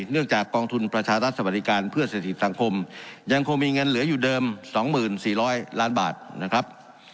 เนื่องจากกองทุนประชารัฐสมรรยาการเพื่อเศรษฐีสังคมยังคงมีเงินเหลืออยู่เดิมสองหมื่นสี่ร้อยล้านบาทนะครับ